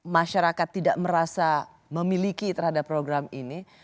masyarakat tidak merasa memiliki terhadap program ini